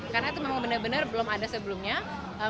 karena itu memang benar benar belum ada sebelumnya